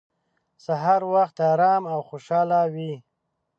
سهار وخت ارام او خوشحاله وي.